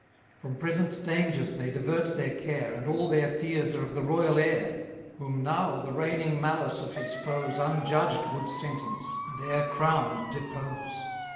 From present dangers they divert their care, And all their fears are of the royal heir; Whom now the reigning malice of his foes 580 Unjudged would sentence, and e'er crown'd depose.